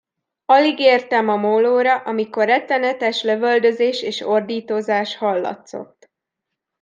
Alig értem a mólóra, amikor rettenetes lövöldözés és ordítozás hallatszott.